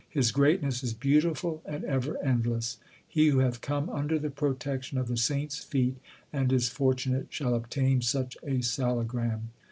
His greatness is beautiful and ever endless. He who hath come under the protection of the saints feet And is fortunate, shall obtain such a salagram?